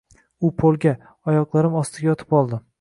U polga, oyoqlarim ostiga yotib oldi